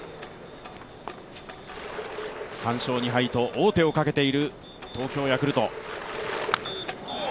３勝２敗と王手をかけている東京ヤクルト。